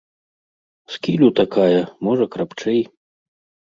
З кілю такая, можа, крапчэй.